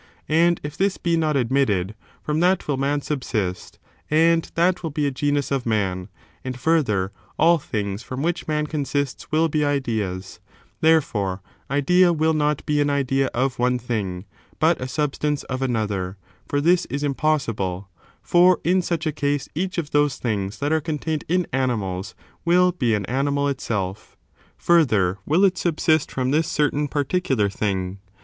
And if this be not admitted, from that will man subsist, and that will be a genus of man. And, further, all things from which man consists will be ideas ; therefore, idea will not be an idea of one thing, but a sub stance of another, for this is impossible ; for, in such a case, each of those things that are contained in animals will be an animal itselfl Further, will it subsist from this certain par ticular thing